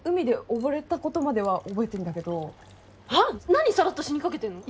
何さらっと死にかけてんの！？